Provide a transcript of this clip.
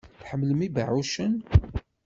Tḥemmlem ibeɛɛucen?